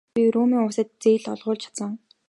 Би Румын улсад зээл олгуулж чадсан.